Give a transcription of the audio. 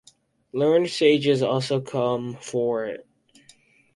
Learned sages also come for it.